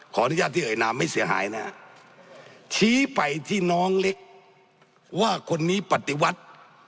ขออนุญาตที่เอ่ยนามไม่เสียหายนะฮะชี้ไปที่น้องเล็กว่าคนนี้ปฏิวัติ